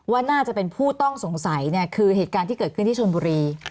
ว่าน่าจะเป็นผู้ต้องสงสัยเนี่ยคือเหตุการณ์ที่เกิดขึ้นที่ชนบุรี